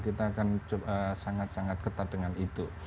kita akan sangat sangat ketat dengan itu